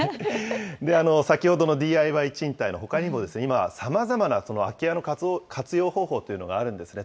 先ほどのＤＩＹ賃貸のほかにも今、さまざまな空き家の活用方法というのがあるんですね。